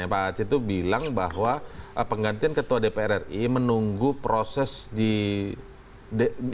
pak aceh itu bilang bahwa penggantian ketua dpr ri menunggu proses di dpr